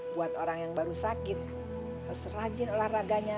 buat orang yang baru sakit harus rajin olahraganya